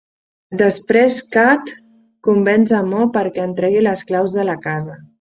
Després Kat convenç a Mo perquè entregui les claus de la casa.